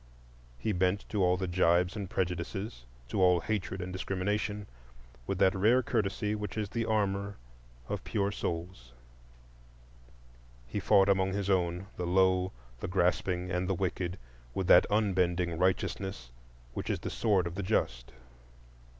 He bent to all the gibes and prejudices, to all hatred and discrimination, with that rare courtesy which is the armor of pure souls. He fought among his own, the low, the grasping, and the wicked, with that unbending righteousness which is the sword of the just.